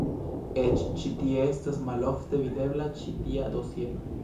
Eĉ ĉi tie estas malofte videbla ĉi tia dosiero.